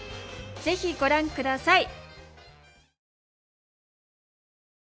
ぜひご覧下さい！